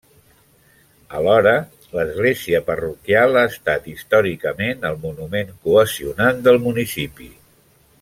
Alhora, l’església parroquial ha estat històricament el monument cohesionant del municipi.